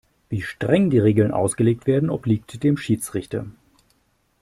Wie streng die Regeln ausgelegt werden, obliegt dem Schiedsrichter.